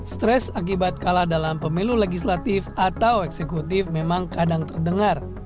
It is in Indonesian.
stres akibat kalah dalam pemilu legislatif atau eksekutif memang kadang terdengar